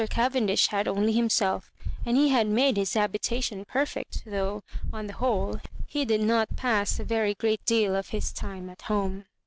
Cavendish had only himself and he bad made his habitation perfect, though, on the whole, he did not pass a very great deal of his time at home.